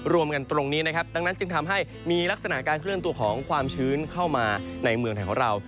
รวมกันตรงนี้นะครับดังนั้นจึงทำให้มีลักษณะการเคลื่อนตัวของความชื้นเข้ามาในเมืองไทยของเรา